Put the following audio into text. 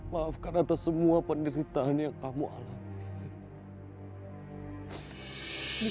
maafkan atas semua penderitaan yang kamu alami